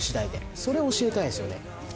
それを教えたいですよね。